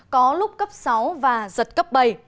có lúc cấp sáu và giật cấp bảy